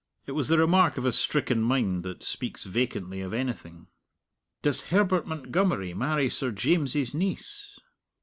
It was the remark of a stricken mind that speaks vacantly of anything. "Does Herbert Montgomery marry Sir James's niece?"